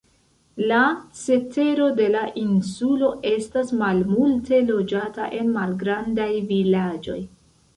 La cetero de la insulo estas malmulte loĝata en malgrandaj vilaĝoj.